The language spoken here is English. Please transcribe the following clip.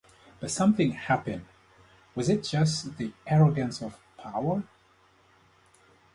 But something happened - was it just the arrogance of power?